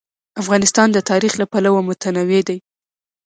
افغانستان د تاریخ له پلوه متنوع دی.